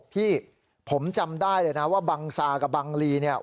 พี่ผมจำได้เลยนะว่าบังซากับบังลีเนี่ย